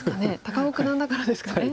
高尾九段だからですかね。